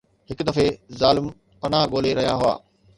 هڪ دفعي ظالم پناهه ڳولي رهيا هئا.